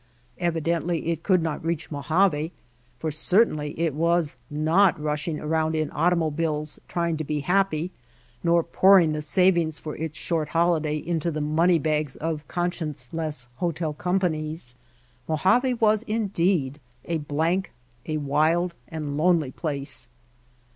Evidently it could not reach Mojave, for cer tainly it was not rushing around in automobiles trying to be happy, nor pouring the savings for its short holiday into the money bags of con scienceless hotel companies. Mojave was indeed a blank, a wild and lonely place.